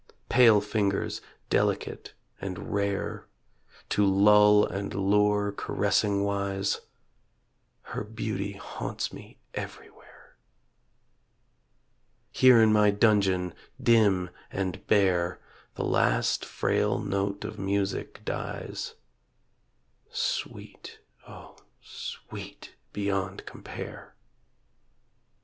Pale fingers delicate and rare, To lull and lure caressing wise; Her beauty haunts me everywhere. Here in my dungeon dim and bare The last frail not of music dies Sweet, O sweet beyond compare.